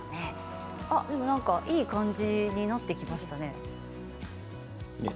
いい感じになってきましたね。